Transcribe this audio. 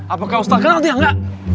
apakah ustadz kenal dia gak